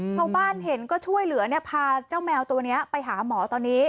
ชาวบ้านเห็นก็ช่วยเหลือพาเจ้าแมวตัวนี้ไปหาหมอตอนนี้